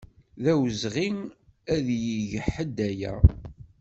D awezɣi ad yeg ḥedd aya.